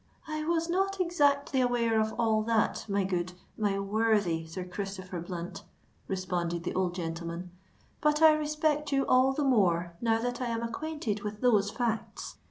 "I was not exactly aware of all that, my good—my worthy Sir Christopher Blunt," responded the old gentleman; "but I respect you all the more now that I am acquainted with those facts.